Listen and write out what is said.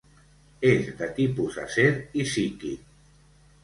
És de tipus acer i psíquic.